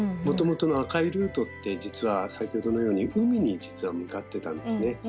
もともとの赤いルートって実は先ほどのように海に向かってたんですね。